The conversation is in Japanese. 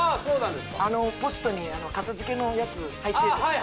ポストに片付けのやつ入ってる。